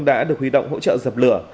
đã được huy động hỗ trợ dập lửa